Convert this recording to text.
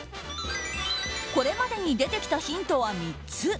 これまでに出てきたヒントは３つ。